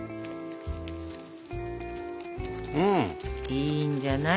いいんじゃない？